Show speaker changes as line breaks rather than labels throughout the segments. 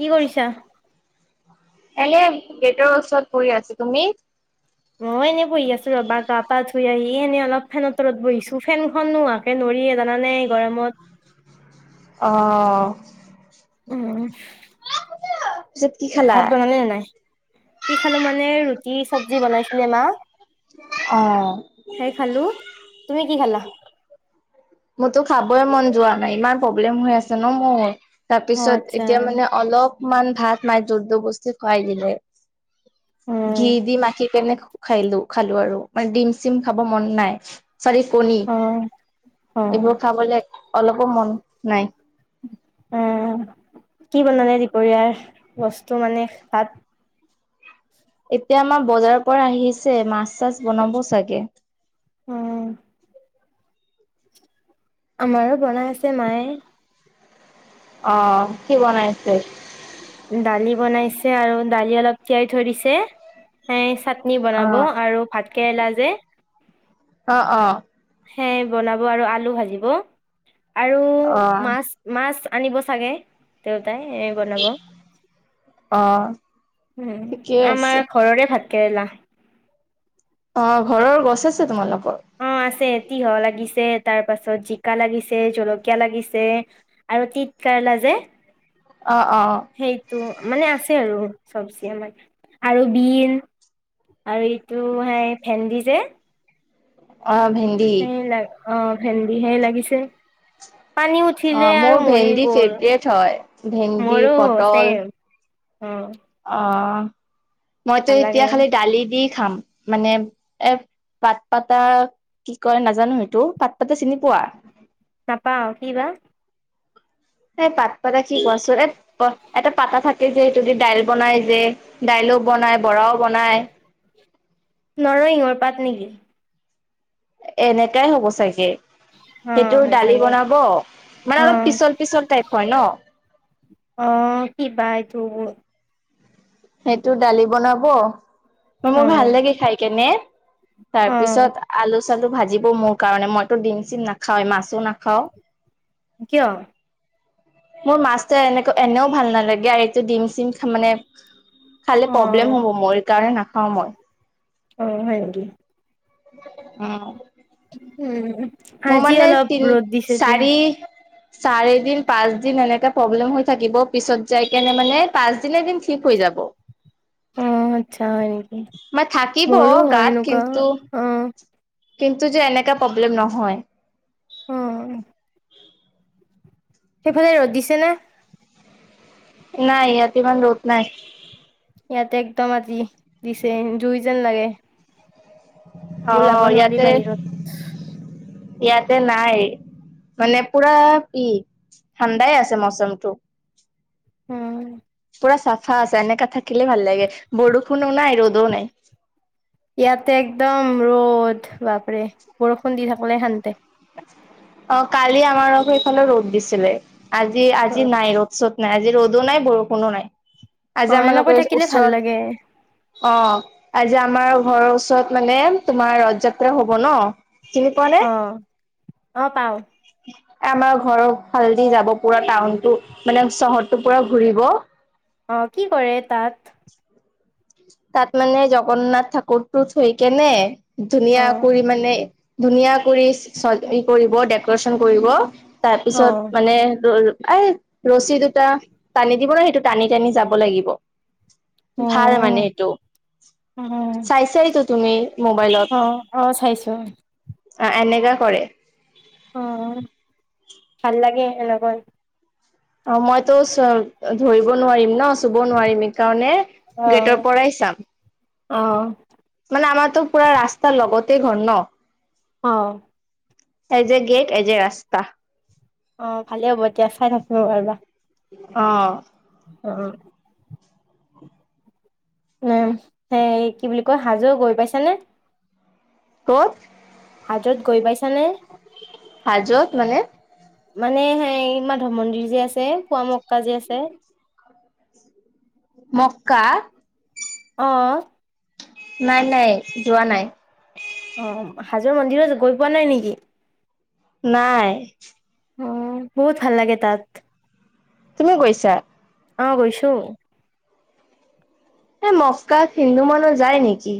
কি কৰিছা?
এনে গেটৰ ওচৰত পৰি আছো তুমি?
মই এনে বহি আছোঁ ৰবা ক পা ধুই আহি এই এনেই অলপ ফেনৰ তৰত বহিছো ফেন নোহোৱাকে নোৱাৰি জানানে গৰমত।
অ'
উম।
পিছত কি খালা?
ভাত বনালে নে নাই কি খালো মানে ৰুটি চব্জি বনাইছিলে মা।
অ'
সেই খালোঁ তুমি কি খালা?
মোৰতো খাবই মন যোৱা নাই ইমান প্ৰব্লেম হৈ আছে ন' মোৰ।
অ'
তাৰপিছত
আচ্ছা
এতিয়া মানে অলপমান ভাত মাই যোটো বস্ত খুৱাই দিলে।
উম,
ঘি দি মাখী কেনে। খাইলো খালো আৰু মানে ডিম চিম খাব মন নাই চ কণী।
হয়।
এইবোৰ খাবলৈ অলপো মন নাই।
উ কি বনালে দুপৰীয়াৰ বস্তু মানে ভাত?
এতিয়া আমাৰ বজাৰৰ পৰা আহিছে মাছ চাছ বনাব চাগে।
অ' আমাৰো বনাই আছে মায়ে।
অ' কি বনাইছে?
দালি বনাইছে আৰু দালি অলপ তিয়াই থৈ দিছে এ চাটনি বনাব
অ'
আৰু ভাত কেৰেলা যে।
অ -অ
হে বনাব আৰু আলু ভাজিব আৰু মাছ।
অ'
মাছ আনিব চাগে দেউতাই এ। বনাব
অ' ঠিকে
আমাৰ
আছে
ঘৰৰে ভাত কেৰেলা।
অ' ঘৰৰ গছ আছে তোমালোকৰ?
অ' আছে তিয়ঁহ লাগিছে তাৰ পাছত জিকা লাগিছে জলকীয়া লাগিছে। আৰু টিত কাৰালা যে।
অ -অ -অ
সেইটো মানে আছে আৰু চবজি আমাৰ আৰু বিন। আৰু ইটো হেই ভেন্দি যে
অ' ভে
সেই লাগ অ' ভেন্দি হে লাগিছে। পানী
অ
উঠিলে
মোৰ
আৰু মৰি
ভেন্দি
গ'ল
ফেভৰেট হয় ভেন্দি
মৰো
পটল
হৈছে- অ'
অ' মইতো
ভাল লাগে
এতিয়া খালি দালি দি খাম। মানে এ পাট পাতা কি কয় নাজানোঁ সেইটো পাত পাতা চিনি পোৱা?
নাপাওঁ কি বা?
এই পাত পাদা কি কোৱাছোন এ। এটা পাতা থাকে যে সেইটো দি দাইল বনাই যে দাইলও বনাই বৰাও বনাই।
নৰসিংহৰ পাত নেকি?
এনেকাই হ'ব চাগে।
অ
সেইটোৰ
হয়
দালি
চাগে।
বনাব
অ
মানে অলপ পিচল পিচল টাইপ হয় ন।
অ কিবা এইটো
সেইটো দালি বনাব
অ
মোৰ ভাল লাগে খাই কেনে
অ
তাৰপিছত- আলু চালু ভাজিব মোৰ কাৰণে মইতো ডিম চিম নাখাওঁ মাছো নাখাওঁ।
কিয়
মোৰ মাছটো এনেকো এনেও ভাল নালাগে আৰু এইটো ডিম চিম খাম মানে- খালে
অ
প্ৰব্লেম হ'ব মই কাৰণে নাখাওঁ মই।
অ হয় নেকি?
উম
উম
মোৰ
আজি
মানে
অলপ
তিনি
ৰ'দ দিছে এতিয়া।
চাৰি। চাৰি দিন পাঁচ দিন এনেকা প্ৰব্লেম হৈ থাকিব পিছত যাই কেনে মানে পাঁচ দিনাদিন ঠিক হৈ যাব।
অ আচ্ছা হয় নেকি?
মই থাকিব
মোৰো হয়
গাত
এনেকুৱা
কিন্তু
অ
কিন্তু যে এনেকা প্ৰব্লেম নহয়।
অ। সেইফালে ৰ'দ দিছে না?
নাই ইয়াত ইমান ৰ'দ নাই।
ইয়াতে একদম আজি দিছে জুই যেন লাগে।
অ
ওলাব নোৱাৰি
ইয়াতে।
বাহিৰত।
ইয়াতে নাই মানে পুৰা পি ঠাণ্ডাই আছে মৌচমটো।
উম।
পুৰা চাফা আছে এনেকা থাকিলে ভাল লাগে বৰষুণো নাই ৰ'দও নাই।
ইয়াতে একদম ৰ'দ বাপৰে, বৰষুণ দি থাকিলে শান্তি।
অ কালি আমাৰো এইফালে ৰ'দ দিছিলে আজি আজি নাই ৰ'দ। চ'ত নাই আজি ৰ'দো নাই, বৰষুণো নাই
অ
আজি
এনেকৈ
আমাৰলোকৰ
থাকিলে ভাল
ওচৰত
লাগে।
অ' আজি আমাৰ ঘৰৰ ওচৰত মানে তোমাৰ ৰথ যাত্ৰা হব ন চিনি পোৱা নে
অ, অ পাওঁ।
আমাৰ ঘৰৰ ওফালদি যাব পুৰা টাউনটো মানে চহৰটো পুৰা ঘূৰিব।
অ কি কৰে তাত?
তাত মানে জগন্নাথ ঠাকুৰটো থৈ কেনে
অ
ধুনীয়া কৰি মানে ধুনীয়া কৰি চকজৰিব ডেকৰেচন কৰিব।
অ
তাৰপিছত মানে টোৰ এ ৰছী দুটা টানি দিব ন সেইটো টানি টানি যাব লাগিব,
অ
ভাল মানে।
অ
চাইছাইটো তুমি মোবাইলত।
অ অ চাইছো
অ এনেকা কৰে।
অ', ভাল লাগে এনেকুৱাত
অ মইতো ধৰিব নোৱাৰিম ন চুব নোৱাৰিম এইকাৰণে
অ, অ'
মানে আমাৰতো পুৰা ৰাস্তাৰ লগতে ঘৰ ন।
অ'
এজে এ গেট এজে এ ৰাস্তা।
অ ভালে হ'ব এতিয়া চাই থাকিব পাৰবা।
অ'
অ' উম, সেই কি বুলি কয় হাজো গৈ পাইছা নে?
ক'ত?
হাজত গৈ পাইছা নে?
হাজোত মানে?
মানে সেই মাধৱ মন্দিৰ যে আছে পুৱা মক্কা যে আছে।
[inaudible] মক্কা
অ'।
নাই নাই, যোৱা নাই।
অ, হাজোৰ মন্দিৰত গৈ পোৱা নাই নেকি?
নাই।
অ, বহুত ভাল লাগে তাত।
তুমি গৈছা?
অ গৈছো।
এ মস্কাত হিন্দু মানুহ যায় নেকি?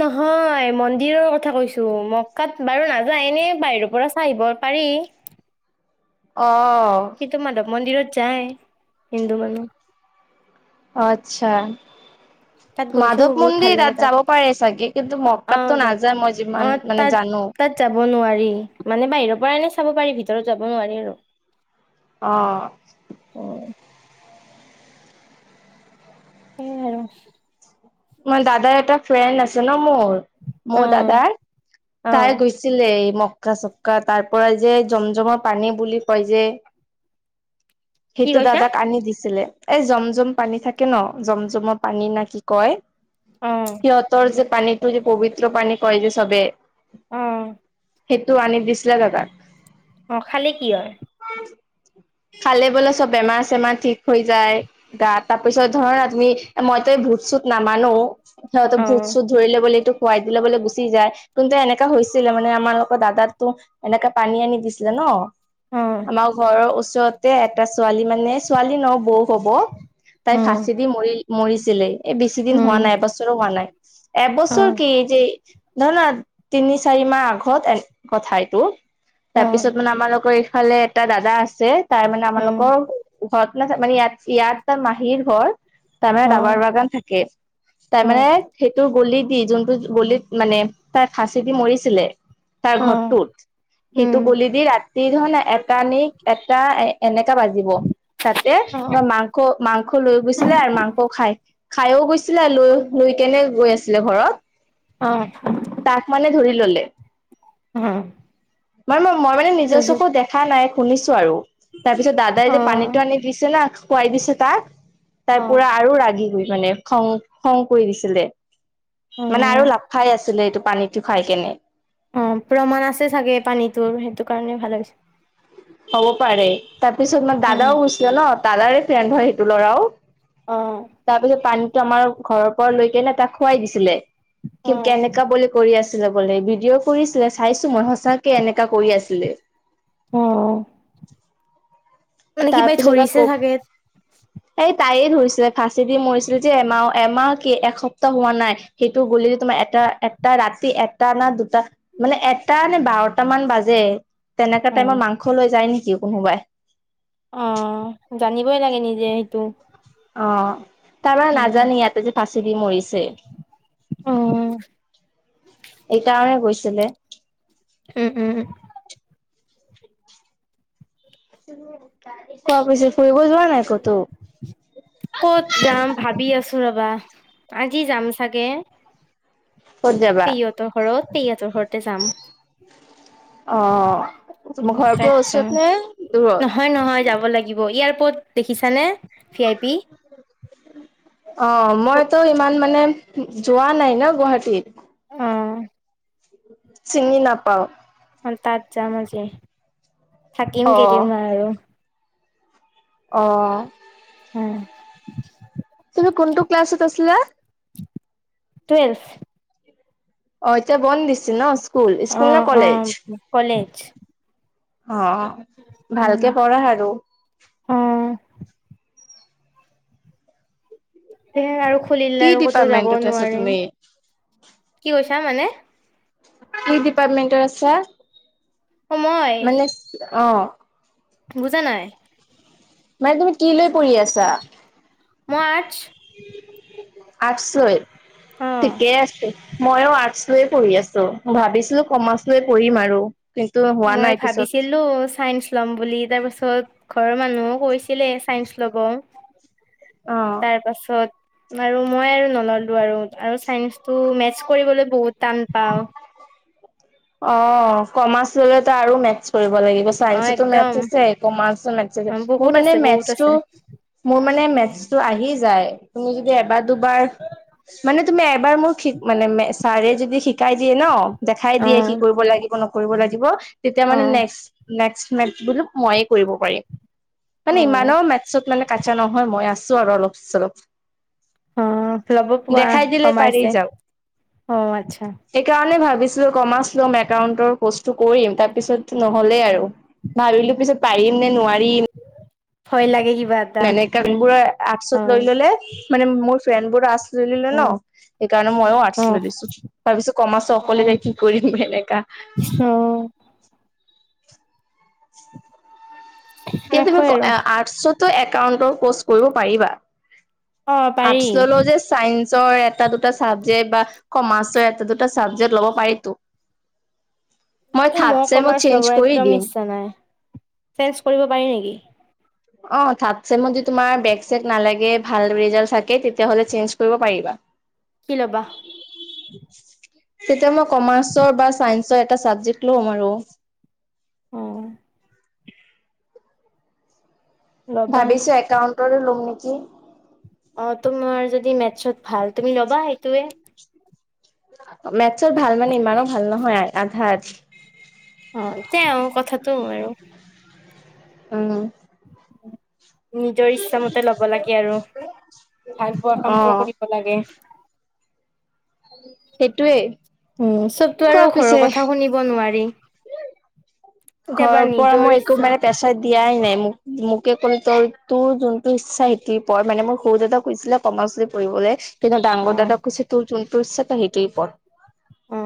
নহয় মন্দিৰৰ কথা কৈছো, মকাত বাৰু নাযায়, এনে বাহিৰৰ পৰা চাই আহিব পাৰি।
অ'হ।
টো মাধৱ মন্দিৰত যায়, হিন্দু মানুহ।
আচ্ছা।
তাত গৈছো
মাধৱ
বহুত ভাল
মন্দিৰ
লাগে
তাত যাব পাৰে চাগে, কিন্তু
অ
মক্কাতটো
যা
নাযায় মই
অ
যিমান মানে
তাত
জানো।
তাত যাব নোৱাৰি, মানে বাহিৰৰ পৰাই এনেই চাব পাৰি, ভিতৰত যাব নোৱাৰি আৰু।
অ'।
সেই আৰু।
মই দাদাৰ এটা ফ্ৰেণ্ড আছে ন মোৰ,
অ
মোৰ দাদাৰ,
অ
তাই গৈছে ছিলে, এই মক্কা চক্কা, তাৰ পৰা যে জম জমৰ পানী বুলি কয় যে
কি
সেইটো
কৈছা
দাদাক আনি দিছিলে। এই জম-জম পানী থাকে ন, জম জমৰ পানী না কি কয়
অ'।
সিহঁতৰ যে পানীটো যে পবিত্ৰ পানী কয় যে চবেই
অ'।
হেতু আনি দিছিলে দাদাক।
অ খালে কি হয়?
খালে বোলে চব বেমাৰ-চেমাৰ ঠিক হৈ যায়, গা তাৰ পিছত ধৰ ৰা তুমি, মইত ভূত-চূত নামানো, সিহঁতৰ
অ
ভূত-চূত ধৰি ল'বলৈটো খুৱাই দি ল'বলৈ গুচি যায়, কিন্তু এনেকা হৈছিলে মানে আমাৰ লগৰ দাদাতো এনেকা পানী আনি দিছিলে ন
অ
আমাৰ ঘৰৰ ওচৰতে এটা ছোৱালী মানে, ছোৱালী ন বৌ কব, তাই
উম
ফাঁচি দি মৰি মৰিছিলে, এই বেছি দিন হোৱা
উম
নাই এবছৰো হোৱা নাই।
অ
এবছৰ কি যে নহ ন, তিনি চাৰি মাহ আগত এ কথা এইটো।
অ
তাৰপিছত মানে আমালোকৰ ইফালে এটা দাদা আছে, তাৰ মানে
উম
আমালোকৰ ঘৰত ন, মানে ইয়াত ইয়াত মাহীৰ ঘৰ তাৰমানে
অ
দাবাৰ বাগান থাকে,
অ
তাৰমানে সেইটো গলি দি, যোনটো গলিত মানে তাৰ ফাঁচি দি মৰিছিলে, তাৰ
অ
ঘৰটোত সেইটো
উম
গলি দি ৰাতি ধন, এটা ন এটা এনেকা বাজিব। তাতে
অ
মাংস, মাংস লৈ গৈছিলে আৰু মাংস খায় খাইও গৈছিলে আৰু লৈ লৈ কেনে গৈ আছিলে ঘৰত
অ'।
তাক মানে ধৰি ললে।
[unintelligible]
মানে মই মানে নিজৰ
তাৰপিছত
চকু দেখা নাই শুনিছো আৰু, তাৰপিছত দাদাই যে
অ',
পানীটো আনি দিছে না খুৱাই দিছে তাক, তাৰ
অ',
পুৰা আৰু ৰাগি গৈ মানে খং খং কৰি দিছিলে, মানে আৰু
অ',
লাভ খাই আছিলে এইটো পানীটো খাই কেনে।
অ প্ৰমাণ আছে চাগে পানীটোৰ, সেইটো কাৰণে ভাল হৈছে।
হ'ব পাৰে। তাৰপিছত, তোমাৰ
অ',
দাদাও গৈছিলে ন'? দাদাৰে ফ্ৰেণ্ড হয়, সেইটো ল'ৰাও।
অ'!
তাৰ পিছত, পানীতটো আমাৰ ঘৰৰ পৰা লৈকেনে, তাক খুৱাই দিছিলে। কি,
অ',
কেনেকা বুলি কৰি আছিলে বোলে, ভিডিঅ' কৰিছিলে, চাইছোঁ মই। সচাঁকে, এনেকা কৰি আছিলে।
অ'! মানে,
তাৰ
কিবাই
পিছত
ধৰিছে
আকৌ
চাগে?
এই, তাইয়ে ধৰিছিলে। ফাঁচি দি মৰিছিলে যে, এমাও, এমাহ কি, এসপ্তাহ হোৱা নাই। সেইটো, গ'লে তোমাৰ, এটা-এটা ৰাতি, এটা না দুটা। মানে, এটা নে বাৰটা মান বাজে। তেনেকা টাইমত,
অ',
মাংস লৈ যায় নেকি, কোনোবাই।
অ'! জানিবই লাগে, নিজে সেইটো।
অ'! তাৰমানে
অ',
নাজানে। ইয়াতে যে, ফাঁচি দি মৰিছে।
অ'!
এইকাৰণে, গৈছিলে।
উম! উম!
[unintelligible] কোৱা পিছে, ফুৰিব যোৱা নাই ক'তো?
ক'ত যাম, ভাবি আছোঁ ৰবা! আজি যাম চাগে।
ক'ত যাবা?
পেহীহতঁৰ ঘৰত, পেহীৰ ঘৰতে যাম।
অ'! তোমাৰ ঘৰৰ পৰা ওচৰতে নে দূৰত?
হয়, নহয় যাব লাগিব। এয়াৰপৰ্ট দেখিছানে, ভি আই পি?
অ'! মইতো, ইমান মানে, যোৱা নাই ন' গুৱাহাটীত।
অ'!
চিনি নাপাওঁ।
অ'! তাত যাম আজি। থাকিম
অ',
কেইদিনমান আৰু।
অ'!
উম!
তুমি কোনটো ক্লাছত আছিলা?
টুৱেলভ
অ'! এতিয়া বন্ধ দিছে ন'? স্কুল, স্কুল নে
অ'
কলেজ?
অ'! কলেজ।
অ'!
উম,
ভালকে পঢ়া আৰু?
অ হে আৰু খুলিলে
কি
আৰু ক'তো যাব
ডিপাৰ্টমেন্টত আছা
নোৱাৰিম।
তুমি?
কি কৈছা মানে?
কি ডিপাৰ্টমেণ্টত আছা?
অ মই
মানে, অ'!
বুজা নাই।
মানে, তুমি কি লৈ পঢ়ি আছা?
মই আৰ্টছ।
আৰ্টছলৈ,
অ
ঠিকেই আছে। মইয়ো, আৰ্টছলৈয়ে পঢ়ি আছোঁ। ভাবিছিলোঁ! কমাৰ্চ লৈ পঢ়িম আৰু কিন্তু, হোৱা নাই পিছত।
ল' চাইন্স ল'ম বুলি। তাৰপিছত, ঘৰৰ মানুহো কৈছিলে, চাইন্স ল'ব। [inaudible]
অ'!
তাৰ পাছত, আৰু মই আৰু নল'লো আৰু। আৰু চাইন্সটো, মেথছ কৰিবলৈ বহুত টান পাওঁ।
অ'! কমাৰ্চ ল'লেতো আৰু মেথছ কৰিব লাগিব।
অ
চায়েঞ্চটো
একদম
মেথছ আছে, কমাৰ্চত মেথছ আছে। মোৰ
বহুত
মানে,
আছে বহুত
মেথছটো
আছে
মোৰ মানে, মেথছটো আহি যায়। তুমি যদি, এবাৰ- দুবাৰ মানে, তুমি এবাৰ মোক, শিক মানে, ছাৰে যদি শিকাই দিয়ে ন'! দেখাই
অ
দিয়ে, এনেকে কৰিব লাগিব। তেতিয়া
অ
মানে, নেক্সট- নেক্সট মইয়ে কৰিব পাৰিম।
অ
মানে, ইমানো মেথছত মানে, কাঁচা নহয়। মই আছোঁ আৰু অলপ-চলপ।
অ'! ল'ব পোৱা
দেখাই দিলে পাৰি
কমাইছে।
যাও
অ'! আচ্ছা।
সেইকাৰণে, ভাবিছিলোঁ! কমাৰ্চ লম, একাউণ্টতৰ কোৰ্চটো কৰিম। তাৰপিছত, নহ'লে আৰু। ভাবিলোঁ পিছত, পাৰিম নে নোৱাৰিম!
ভয় লাগে কিমান
মনেকানবোৰ আৰ্ছত লৈ ললে মানে মোৰ ফ্ৰেণ্ড বোৰ আৰ্চ লৈ ললে
অ
ন সেইকাৰণে ময়ো
অ
আৰ্টছ লৈ দিছো ভাবিছো কমাছ
অ
অকলে যাই কি কৰিম এনেকা
অ
এ তুমি
সেনেকৈ আৰু
আৰ্টছটো একাউন্টৰ কৰ্চ কৰিব পাৰিবা
অ পাৰি
আৰ্টছ ললো যে চাইন্সৰ এটা দুটা চাবজেক্ট বা কমাৰ্চৰ এটা দুটা চাবজেক্ট ল'ব পাৰি টো
এ মো
চেমত
কমাৰ্চ
চেঞ্জ
ল'ব
কৰি
একদম
দিম।
ইচ্ছা নাই চেঞ্জ কৰিব পাৰি নেকি?
অ থাৰড চেমত যদি তোমাৰ বেক চেক নালাগে ভাল ৰিজাল্ট থাকে তেতিয়াহ'লে চেঞ্জ কৰিব পাৰিবা
কি ল'বা?
তেতিয়া মই কমাৰ্চৰ বা চাইন্সৰ এটা চাবজেক্ট লম আৰু
অ ল'বা
ভাবিছো একাউণ্টৰ লওঁ নেকি।
অ তোমাৰ যদি মেথছত ভাল তুমি ল'বা সেইটোয়ে
মেথছৰ ভাল মানে ইমানো ভাল নহয় আধা আধি
অ তেওঁৰ কথাটো আৰু
উম
নিজৰ ইচ্ছা মতে ল'ব লাগে আৰু ভাল পোৱা
অ
কাম বোৰ কৰিব লাগে।
সেইটোৱেই
উম চবতো আৰু ঘৰৰ কথা শুনিব নোৱাৰি কেতিয়াবা
ঘৰ পৰা
নিজৰ
মই একো মানে
ইচ্ছাত
টেচ দিয়াই নাই মোক মোকে কোনো তই তোৰ যোনটো ইচ্ছা সিটোৱে পঢ় মানে মোৰ সৰু দাদা কৈছিলে কৰমাচ লৈ পঢ়িবলে কিন্তু
অ
ডাঙৰ দাদাক কৈছে তোৰ যোনটো ইচ্ছা সেইটোয়ে পঢ়।
অ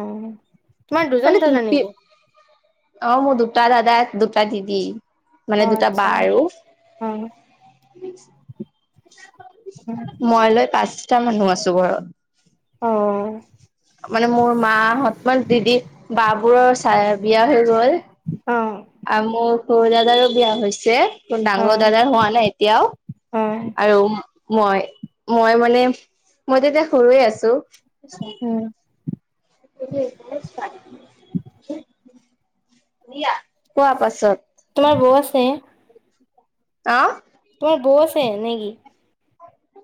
তোমাৰ দুজন
খলে
দাদা
টুমটি
নেকি
মই দু [unintelligible] দুটা দাদাক দুটা দিদি
অ
মানে দুটা বা
আচ্ছা
আৰু
অ', অ',
মই লৈ পাঁচটা মানুহ আছো ঘৰত।
অ
মানে মোৰ মাহত মানে দিদি বা বোৰৰ চাই বিয়া হৈ গল।
অ
আৰু মোৰ সৰু দাদাৰো বিয়া হৈছে। কিন্তু ডাঙৰ দাদাৰ হোৱা নাই এতিয়াও।
হয়
আৰু মই মই মানে মইতো এতিয়া সৰুয়ে আছো।
অ
[unintelligible] দিয়া কোৱা পাছত
তোমাৰ বৌ আছে?
অহ
তোমাৰ বৌ আছে নেকি?